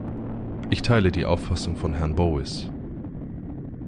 Ich teile die Auffassung von Herrn Bowis.